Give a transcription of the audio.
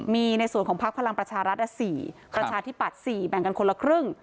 มีในส่วนของพักพลังประชารัฐ๔ประชาธิปัตย์๔แบ่งกันคนละครึ่ง